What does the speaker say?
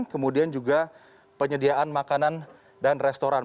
kemudian juga penyediaan makanan dan restoran